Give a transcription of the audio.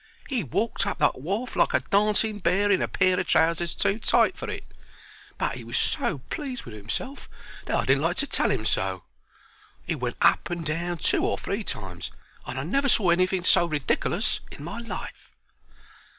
He walked up that wharf like a dancing bear in a pair of trousers too tight for it, but 'e was so pleased with 'imself that I didn't like to tell 'im so. He went up and down two or three times, and I never saw anything so ridikerlous in my life.